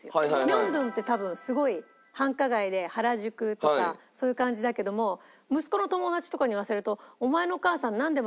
明洞って多分すごい繁華街で原宿とかそういう感じだけども息子の友達とかに言わせると「お前のお母さんなんで毎日明洞行くんだ？」